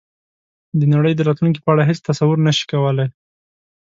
د نړۍ د راتلونکې په اړه هېڅ تصور نه شي کولای.